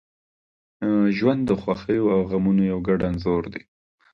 • ژوند د خوښیو او غمونو یو ګډ انځور دی.